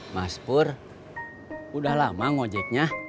mas pur udah lama ngojeknya